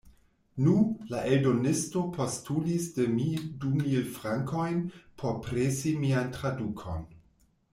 Nu, la eldonisto postulis de mi du mil frankojn por presi mian tradukon.